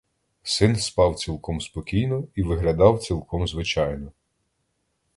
Син спав цілком спокійно і виглядав цілком звичайно.